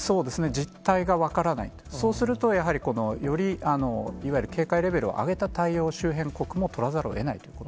実態が分からないと、そうすると、やはりこの、よりいわゆる警戒レベルを上げた対応を周辺国も取らざるをえない